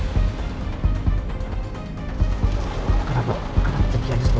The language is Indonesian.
mas gunpa lagi banyak pikiran saat ini